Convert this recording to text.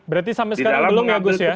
berarti sampai sekarang belum ya gus ya